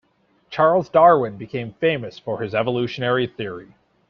Charles Darwin became famous for his evolutionary theory.